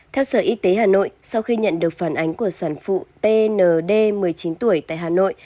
theo sở y tế hà nội sau khi nhận được phản ánh của sản phụ tnd một mươi chín tuổi tại hà nội